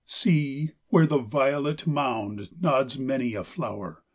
See, where the violet mound nods many a flower!